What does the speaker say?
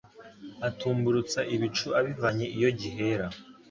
Atumburutsa ibicu abivanye iyo gihera